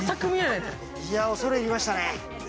いや、恐れ入りましたね。